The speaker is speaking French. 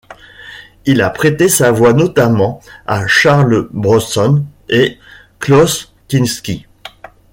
Il a prêté sa voix notamment à Charles Bronson et Klaus Kinski.